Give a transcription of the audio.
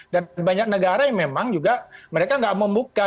dan banyak negara yang memang juga mereka nggak mau buka